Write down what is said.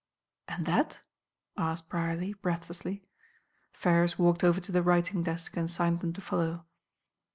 "And that?" asked Brierly, breathlessly. Ferrars walked over to the writing desk and signed them to follow.